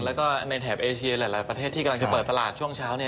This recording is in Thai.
แล้วก็ในแถบเอเชียหลายประเทศที่กำลังจะเปิดตลาดช่วงเช้า